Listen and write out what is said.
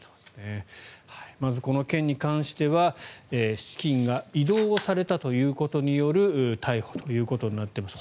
まずこの件に関しては資金が移動されたということによる逮捕ということになっています。